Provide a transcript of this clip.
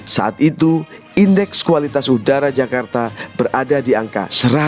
saat itu indeks kualitas udara jakarta berada di angka satu ratus tujuh puluh